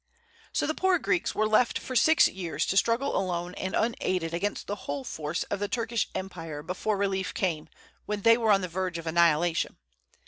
So the poor Greeks were left for six years to struggle alone and unaided against the whole force of the Turkish empire before relief came, when they were on the verge of annihilation.